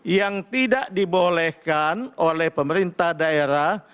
yang tidak dibolehkan oleh pemerintah daerah